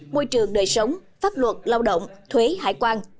môi trường đời sống pháp luật lao động thuế hải quan